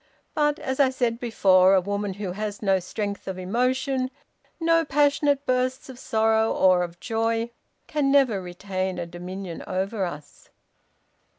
But, as I said before, a woman who has no strength of emotion, no passionate bursts of sorrow or of joy, can never retain a dominion over us.